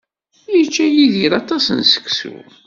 Yečča Yidir aṭas n seksu.